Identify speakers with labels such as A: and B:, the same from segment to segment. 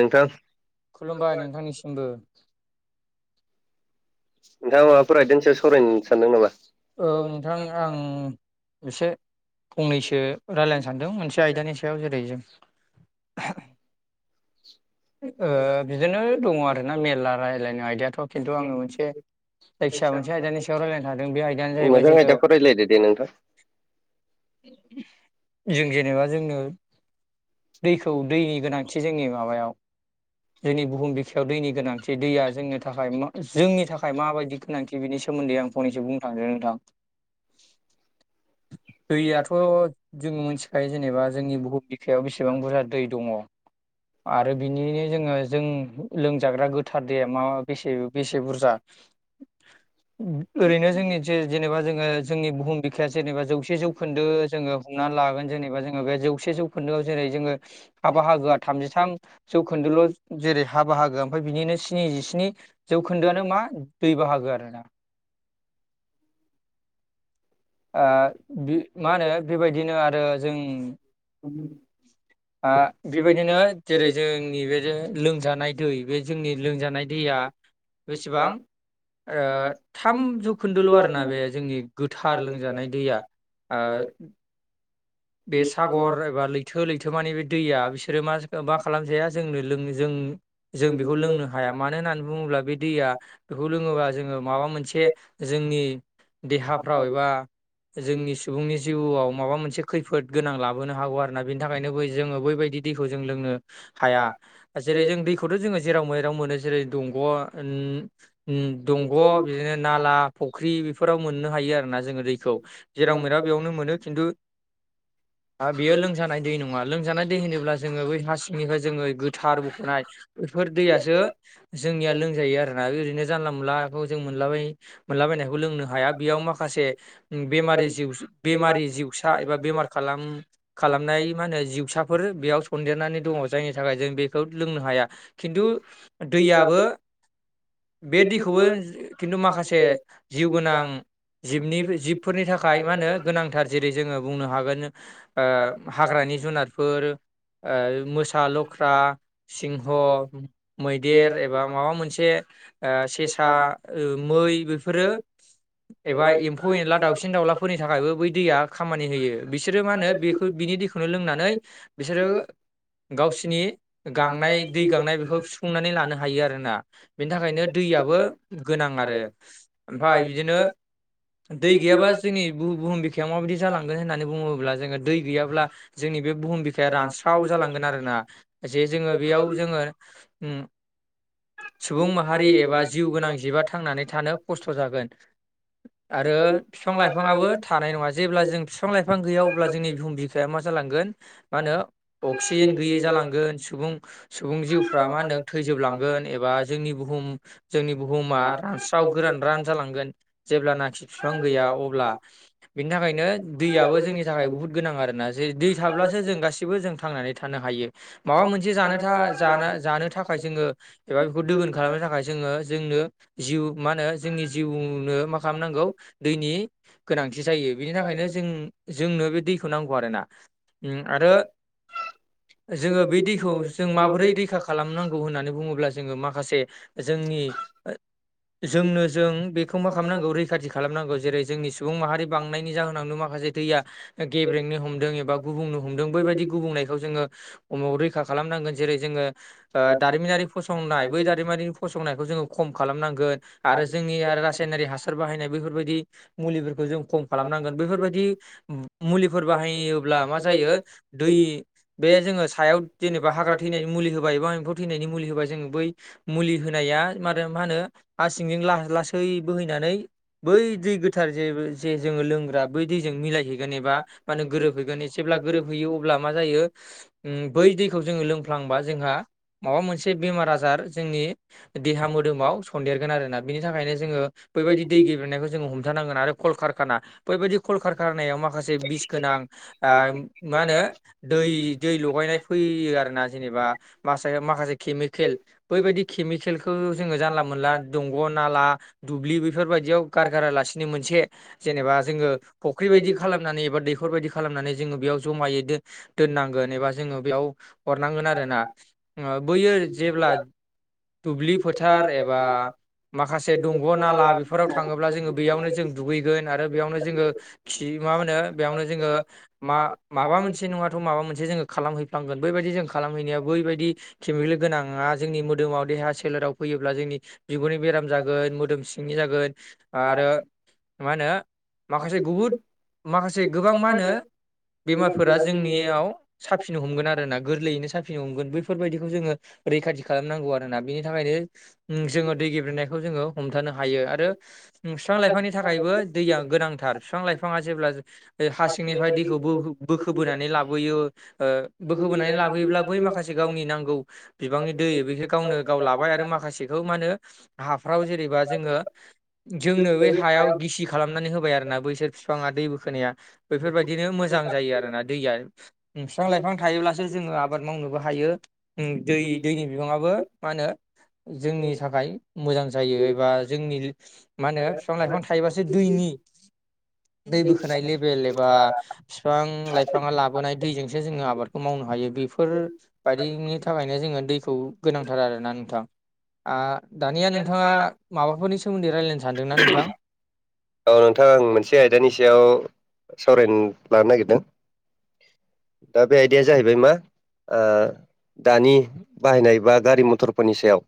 A: नोंथां
B: खुलुमबाय नोंथांनिसिमबो।
A: नोंथाङा माबाफोर रायदोंनि सायाव सावरायनो सानदों नामा?
B: औ नोंथां आं एसे फंनैसो रायलायनो सानदों मोनसे आयदानि सायाव जेरै जों ओ बिदिनो दङ आरोना मेरला रायलायनो आयदायाथ' खिन्थु आङो मोनसे जायखिजाया मोनसे आयदानि सायाव रायलायनो सान्दों बे आयदायानो जाहैबाय
A: मोजां
B: जोङो
A: आयदाखौ रायज्लायदो दे नोंथां
B: जों जेनेबा जोंनो दैखौ दैनि गोनांथि जोंनि माबायाव जोंनि बुहुम बिखायाव दैनि गोनांथि दैया जोंनि थाखाय मो जोंनि थाखाय माबायदि गोनांथि बिनि सोमोन्दै आं फनैसो बुंनो थांदो नोंथां। दैयाथ' जोङो मिथिखायो जेनेबा जोंनि बुहुम बिखायाव बेसेबां बुरजा दै दङ। आरो बिनिनो जोङो जों लोंजाग्रा गो थार दैया मा बेसे बेसे बुरजा ओरैनो जोंनि जे जेनेबा जोङो जोंनि बुहुम बिखाया जेनेबा जौसे जौखोन्दो जोङो हमनानै लागोन जेनेबा जोङो बे जौसे जौ खोन्दोआव जेरै जोङो हा बाहागोआ थामजिथाम जौखोन्दोल' जेरै हा बाहागो ओमफ्राय बिनिनो स्निजिस्नि जौखोन्दोआनो मा दै बाहागो आरोना। ओ बि मा होनो बेबायदिनो आरो जों
A: [unintelligible]
B: बेबायदिनो जेरै जोंनि बे लोंजानाय दै बे जोंनि लोमजानाय दैया बेसेबां थाम जौखोन्दोल' आरोना बे जोंनि गोथाव थार लोंजानाय दैआ ओ। बे सागर एबा लै थो लैथो माने बे दैया बिसोरो मा मा खालामजाया जोंनो लों जों जों बेखौ लोंनो हाया मानो होननानै बुङोब्ला बे दैया बेखौ लोङोबा जोङो माबा मोनसे जोंनि देहाफ्राव एबा जोंनि सुबुंनि जिउआव माबा मोनसे खैफोद गोनां लाबोनो हागौ आरोना बिनि थाखायनो बै जोङो बैबायदि दैखौ जों लोङो। हाया जेरै जों दैखौथ' जोङो जेराव मेराव मोनो जेरै दंग' ओम दंग' बिदिनो नाला फुख्रि बेफोराव मोननो हायो आरो ना जोङो दैखौ जेराव मेराव बेयावनो मोनो खिन्थु आरो बेयो लोंजानाय दै नङा लोमजानाय दै होनोब्ला जोङो बै हा सिंनिफ्राय जोङो गोथार बख'नाय बेफोर दैयासो जोंनिया लोंजायो आरोना ओरैनो जानला मोनलााव जों मोनलाबाय मोनलाबायनायखौ लोंनो हाया बेयाव माखासे बेमारि जिउ बेमारि जिउ फसा एबा बेमार खालाम खालामनाय मा होनो जिउसाफोर बेयाव सन्देरनानै दङ जायनि थाखाय जों बेखौ लोंनो हाया खिन्थु दैयाबो बे दैखौबो खिन्थु माखासे जिउ गोनां जिबनि जिबफोरनि थाखाय मा होनो गोनांथार जेरै जोङो बुंनो हागोन हाग्रानि जुनारफोर मोसा लख्रा सिंह मैदेर एबा माबा मोनसे सेसा मै बेफोरो एबा एम्फौ एनला दाउसिन दाउलाफोर फोरनि थाखायबो बै दैया खामानि होयो बिसोरो मा होनो बेखौ बिनि दैखौनो लोंनानै बिसोरो गावसिनि गांनाय दै गांनाय बेखौ सुफुंनानै लानो हायो आरोना बेनि थाखायनो दैयाबो गोनां आरो ओमफफ्राय बिदिनो दै गैयाबा जोंनि ब बुहुम बिायाव माबायदि जालांगोन होननानै बुङोब्ला जोङो दै गैयाब्ला जोंनि बे बुहुम जखाया रानस्राव जालांगोन आरोोना जे जोङो बेयाव जोङो सुबुं माहारि एबा जिउ गोनां जिबा थांनानै थानो खस्थ' जागोन आरो बिफां लाइफाङाबो थानाय नङा जेब्ला जों बिफां लाइफां गैया अब्ला जोंनि बिहुम बिफाया मा जालांगोन मा होनो अक्सिजेन गैयै जालांगोन सुबुं सुबुं जिउफ्रा मा होनदों थैजोबलांगोन एबा जोंनि बुहुम जोंनि बुहुमा रानस्राव गोरान रान जालांगोन। जेब्लानाखि बिफां गैया अब्ला बिनि थाखायनो दैयाबो जोंनि थाखाय बुहुत गोनां आर ना जे दै थाब्लासो जों गासिबो जों थांनानै थानो हायो। माबा मोनसे जानो था जानो जानो थाखाय जोङो एबा बेखौ दोगोन खालामनो थाखाय जोङो जोंनो जिउ मा होनो जोंनि जिउ ङो मा खालाम नांगौ दैनि गोनांथि जायो। बिनि थाखायनो जों जोंनो बे दैखौ नांगौ आरोना। आरो जोङो बे दैखौ जों माबोरै रैखा खालामनांगौ होननानै बुङोब्ला जोङो माखासे जोंनि जोंनो जों बेखौ मा खालामनांगौ रैखाथि खालामनांगौ जेरै जोंनि सुबुं माहारि बांनायनि जाहोनावनो माखासे दैया गेब्रेंनो हमदों एबा गुबुंनो हमदों बैबायदि गुबुंनायखौ जोङो अमाव रैखा खालामनांगोन जेरै जोङो दारिमिनारि फसंनाय बै दारिमिनारि फसंनायखौ जोङो खम खालामनांगोन आरो जोंनि साइनारि हासार बाहायनाय बेैफोरबायदि मुलिफोरखौ जों खम खालामनांगोन बेैफोरबायदि मुलिफोर बाहायोब्ला मा जायो दै बे जोङो सायाव जेनेबा हाग्रा थैनायनि मुलि होबाय एबा एम्फौ थैनायनि मुलि होबाय जों बै मुलि होनाया मा होनो मा होनो हा सिंजों ला-लासै दै बोहैनानै बै दै गोथार जे जे जोङो लोंग्रा बै दैजों मिलायहै गोन एबा मा होनो गोरोबहैगोन जेब्ला गोरोब हैैयो अब्ला मा जायो ओम बै दैखौ जोङो लोंफ्लांबा जोंहा माबा मोनसे बेमार आजार जोंनि देहा मोदोमाव सन्देरगोन आरोना बिनि थाखायनो जोङो बेबायदि दै गेब्रेंनायखौ जोङो हमथानांगोन आरो कल कारखाना बेबायदि कल कारखानायाव माखासे बिस गोनां ओ मा होनो दै दै लगायनाय फैयो आरोना जेनेबा मासा-माखासे केमिकेल बैबायदि केमिकेलखौ जोङो जानला मोनला दंग', नाला, दुब्लि बेफोरबायदियाव गारगारालासिनो मोनसे जेनेबा जोङो फुख्रिबायदि खालामनानै एबा दैखर बायदि खालामनानै जोङो बेयाव जमायै दोन दोननांगोन एबा जोङो बेयाव हरनांगोन आरोना। ओ बैयो जेब्ला दुब्लि फोथ थार एबा माखासे दंग', नाला बेफोराव थाङोब्ला जोङो बेयावनो जों दुगैगोन आरो बेयावनो जोङो खि मा होनो बेयावनो जोङो मा माबा मोनसे नङाथ' माबा मोनसे जोङो खालामहैफ्लांगोन, बैबायदि जों खालामहैनाया बैबायदि केमिकेल गोनाङा जोंनि मोदोमाव देहा सोलेराव फैयोब्ला जोंनि बिगुरनि बेराम जागोन, मोदोम सिंनि जागोन आरो मा होनो माखासे गुबुद माखासे गोबां मा होनो बेमारफोरा जोंनियाव साफिनो हमगोन आरोना गोरलैयैनो साफिनो हमगोन, बैफोरबायदिखौ जोङो रैखाथि खालामनांगौ आरोना। बिनि थाखायनो ओम जोङो दै गेब्रेंनायखौ जोङो हमथानो हायो आरो बिफां लाइफांनि थाखायबो दैया गोनांथार बिफां लाइफाङा जेब्ला हासिंनिफ्राय दैखौ बो-बोखोबोनानै लाबोयो ओ बोखोबोनानै लाबोयोब्ला बै माखासे गावनि नांगौ बिबांनि दै बेखौ गावनो गाव लाबाय आरो माखासेखौ मा होनो हाफ्राव जेनेबा जोङो जोंनो बे हायाव गिसि खालामनानै होबाय आरोना बैसोर बिफाङा दै बोखोनाया बेफोरबायदिनो मोजां जायो आरोना दैया बिफां लाइफां थायोब्लासो जोङो आबाद मावनोबो हायो ओम दै दैनि बिबाङाबो मा होनो जोंनि थाखाय मोजां जायो एबा जोंनि मा होनो बिफां लाइफां थाइ थायोबासो दैनि दै बोखोनाय लेबेल एबा फिफां लाइफाङा लाबोनाय दैजों सो जोङो आबादखौ मावनो हायो। बेफोर बायदिनि थाखायनो जोङो दैखौ गोनांथार आरोना नोंथां। ओ दानिया नोंथाङा माबाफोरनि सोमोन्दै रायज्लायनो सानदोंना नोंथां
A: औ नोंथां आं मोनसे आयदानि सायाव सावरायनो लानो नागिरदों दा बे आयदाया जाहैबाय मा ओ दानि बाहायनाय बा गारि मथरफोरनि सायाव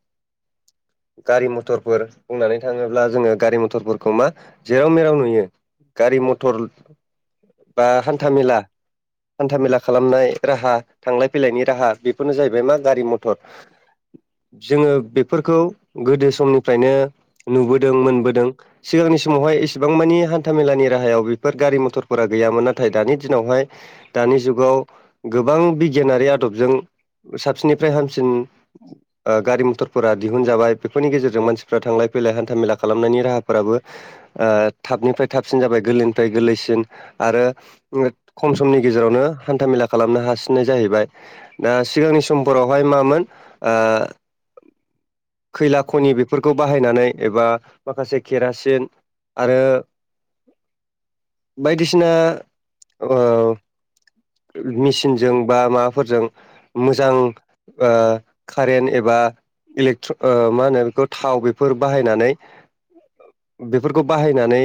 A: गारि मथरफोर बुंनानै थाङोब्ला जोङो गारि मथरफोरखौ मा जेराव मेराव नुयो गारि मथर बा हान्था मेला हान्था मेला खालामनाय राहा थांलाय फैलायनि राहा बेफोरनो जाहैबाय मा गारि मथर जोङो बेफोरखौ गोदो समनिफ्रायनो नुबोदों मोनबोदों। सिगांनि समावहाय एसेबां मानानि हान्थामेलानि राहायाव बेफोर गारि मथरफोरा गैयामोन। नाथाय दानि दिनावहाय दानि जुगाव गोबां बिगियानारि आदबजों साबसिननिफ्राय हामसिन ओ गारि मथरफोरा दिहुनजाबाय। बेफोरनि गेजेरजों मानसिफ्रा थांलाय फैलाय हान्था मेला खालामनायनि राहाफोराबो ओ थाबनिफ्राय थाबसिन जाबाय गोरलैनिफ्राय गोरलैसिन आरो खम समनि गेजेरावनो हान्थामेला खालामनो हासिननाय जाहैबाय दा सिगांनि समफोरावहाय मामोन आ खैला खनि बेफोरखौ बाहायनानै एबा माखासे केरा सिन आरो बायदिसिना ओ मेसिनजों बा माबाफोरजों मोजां ओ कारेन्ट एबा इलेक्ट्र ओ मा होनो बेखौ थाव बेफोर बाहायनानै बेफोरखौ बाहायनानै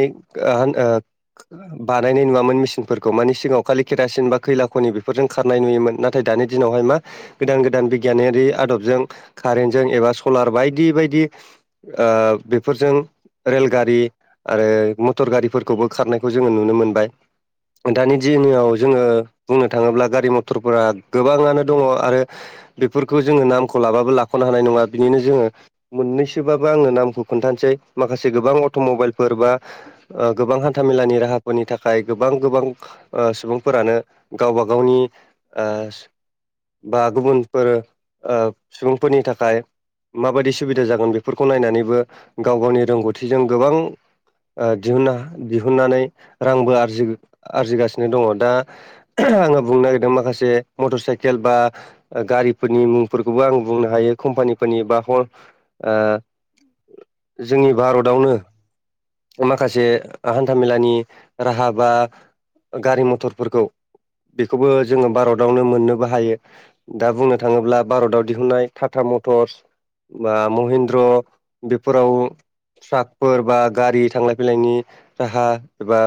A: [unintelligible] बानायनाय नुवामोन मेसिनफोरखौ मानि सिगाङाव खालि केरासिन बा खैला खनि बेफोरजों खारनाय नुयोमोन नाथाय दानि दिनावहाय मा गोदान गोदान बिगियानारि आदबजों कारेन्टजों एबा सलार बायदि बायदि आह बेफोरजों रेलगारि आरो मटर गारिफोरखौबो खारनायखौ जोङो नुनो मोनबाय दानि दिनाव जोङो बुंनो थाङोब्ला गारि मथरफोरा गोबाङानो दङ आरो बेफोरखौ जोङो नामखौ लाबाबो लाख'नो हानाय नङा बिनिनो जोङो मोननैसोबाबो आङो नामखौ खोन्थानोसै माखासे गोबां अट' मबाइलफोर बा ओ गोबां हान्थाामेलानि राहाफोरनि थाखाय गोबां गोबां ओ सुबुंफोरानो गावबा गावनि ओ बा गुबुनफोर ओ सुबुंफोरनि थाखाय माबायदि सुबिदा जागोन बेफोरखौ नायनानैबो गाव गावनि रोंगौथिजों गोबां ओ दिहुननो दिहुननानै रांबो आरजि आरजिगासिनो दङ दा आङो बुंनो नागिरदों माखासे मटर साइकेल बा गारिफोरनि मुं फोरखौबो आं बुंनो हायो कम्पानिफोरनि बा ह ओ जोंनि भारतआवनो माखासे हान्थामेलानि राहा बा गारि मथरफोरखौ बेखौबो जोङो भारत भारतावनो मोननोबो हायो दा बुंनो थाङोब्ला भारताव दिहुननाय टाटा मटरस बा महिन्द्र बेफोराव ट्राकफोर बा गारि थां थांलाय फैलायनि राहा एबा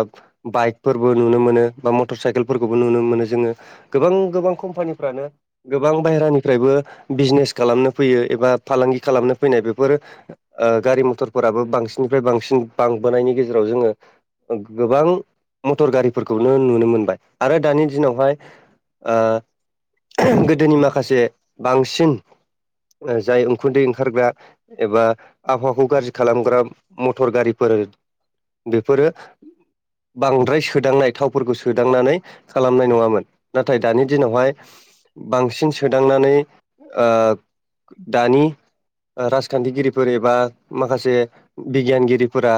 A: बाइकफोरबो नुनो मोनो बा मटर साइकेलफोरखौबो नुनो मोनो जोङो गोबां गोबां कम्पानिफ्रानो गोबां बायेरानिफ्रायबो बिजनेस खालामनो फैयो एबा फालांगि खालामनो फैनाय बेफोर ओ गारि मथर फोराबो बांसिननिफ्राय बांसिन बांबोनायनि गेजेराव जोङो गोबां मटर गारि फोरखौनो नुनो मोनबाय आरो दानि दिनावहाय ओ गोदोनि माखासे बांसिन जाय उखुन्दै ओंखारग्रा एबा आबहावाखौ गाज्रि खालामग्रा मटर गारिफोर बेफोरो बांद्राय सोदांनाय थावफोरखौ सोदांनानै खालामनाय नङामोन नाथाय दानि दिनावहाय बांसिन सोदांनानै ओ दानि राजखान्थिगिरिफोर एबा माखासे बिगियानगिरिफोरा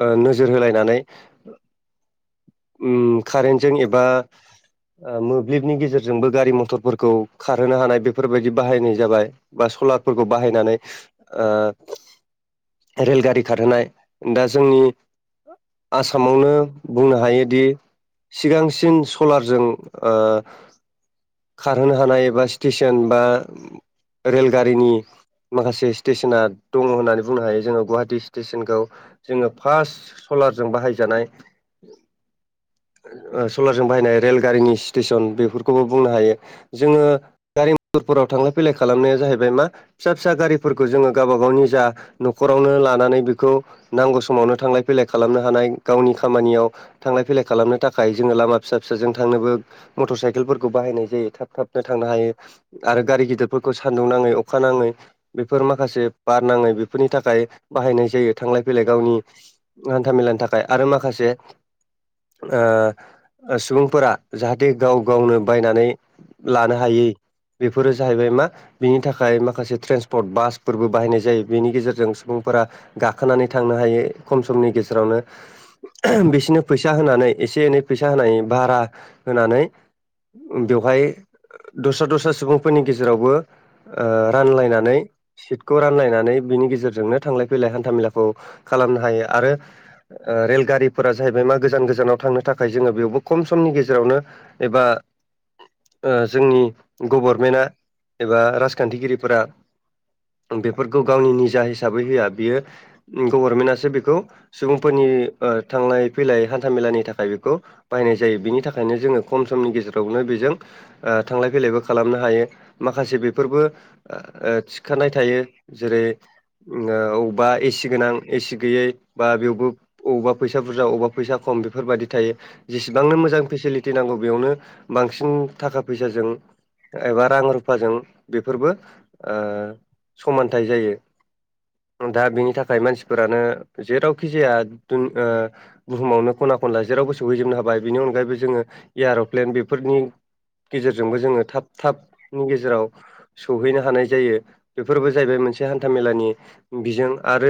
A: ओ नोजोर होलायनानै कारेन्टजों एबा मोब्लिबनि गेजेरजों जोंबो गारि मथरफोरखौ खारहोनो हानाय बेफोरबायदि बाहायनाय जाबाय। बा सलारफोरखौ बाहायनानै ओ रेलगारि खारहोनाय दा जोंनि आसामावनो बुंनो हायोदि सिगांसिन लारजों ओ खारहोनो हानाय एबा स्टेसन बा रेलगारिनि माखासे स्टेसना दङ होननानै बुंनो हायो जोङो गुहाटि स्टेसनखौ जोङो फार्ट सलारजों बाहायजानाय ओ सलारजों बाहायनाय रेलगारिनि स्टेसन बेफोरखौ खौबो बुंनो हायो जोङो गारि मथरफोराव थांलाय फैलाय खालामनाया जाहैबाय मा फिसा फिसा गारिफोरखौ जोङो गावबा गावनि जा न'खरावनो लानानै बेखौ नांगौ समावनो थांलाय फैलाय खालामनो हानाय गावनि खामानियाव थांलाय फैलाय खालामनो थाखाय जोङो लामा फिसा फिसाजों थांनोबो मटर साइकेलफोरखौ बाहायनाय जायो थाब थाबनो थांनो हायो आरो गारि गिदिरफोरखौ सान्दुं नाङै अखा नाङै बेफोर माखासे बार नाङै बे फोरनि थाखाय बाहायनाय जायो थांलाय फैलाय गावनि हान्था मेलानि थाखाय आरो माखासे ओ सुबुंफोरा जाहाथे गाव गावनो बायनानै लानो हायै बेफोरो जाहैबाय मा बिनि थाखाय माखासे ट्रेन्सपर्ट बासफोरबो बाहायनाय जायो। बिनि गेजेरजों सुबुंफोरा गाखोनानै थांनो हायो खम समनि गेजेरावनो। बिसोरनो फैसा होनानै एसे एनै फैसा होनाय भारा होनानै बेवहाय दस्रा दस्रा सुबुं फोरनि गेजेरावबो ओ रानलायनानै सिटखौ रानलायनानै बिनि गेजेरजोंनो थांलाय फैलाय हान्थाामेलाखौ खालामनो हायो आरो रेलगारिफोरा जाहैबाय मा गोजान गोजानाव थांनो थाखाय जोङो बेयावबो खम समनि गेजेरावनो एबा ओ जोंनि गभर्नमेन्टआ एबा राजखान्थिगिरिफोरा बेफोरखौ गावनि निजा हिसाबै होआ बियो गभर्नमेन्टसो बेखौ सुबुंफोरनि थांलाय फैलाय हान्थाामेलानि थाखाय बेखौ बायनाय जायो बेनि थाखायनो जोङो खम समनि गेजेरावनो बेजों थांलाय फैलायबो खालामनो हायो माखासे बेफोरबो थिखानाय थायो जेरै अबेबा एसि गोनां एसि गैयै बा बेवबो अबावबा फैसा बुरजा अबेबा फैसा खम बेफोरबायदि थायो। जेसेबांनो मोजां फेसिलिटि नांगौ बेयावनो बांसिन थाखा फैसाजों एबा रां रुफाजों बेफोरबो ओ समानथाइ जायो दा बेनि थाखाय मानसि फोरानो जेरावखि जाया नों ओ बुहुमावनो खना खनला जेरावबो सौहैजोबनो हाबाय बेनि अनगायैबो जोङो एयार'प्लेन बेफोरनि गेजेरजोंबो जोङो थाब थाबनि गेजेराव सौहैनो हानाय जायो। फोरबो जाहैबाय मोनसे हान्थामेलानि बिजों आरो